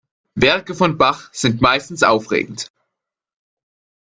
Werke von Bach sind meistens aufregend.